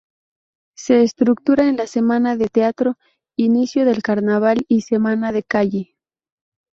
Se estructura en la semana de teatro, inicio del carnaval, y semana de calle.